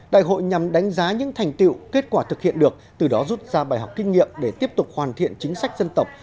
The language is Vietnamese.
đại hội nhằm đánh giá những thành tiệu kết quả thực hiện được từ đó rút ra bài học kinh nghiệm để tiếp tục hoàn thiện chính sách dân tộc